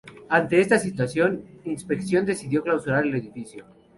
Ante esta situación, Inspección decidió clausurar el edificio.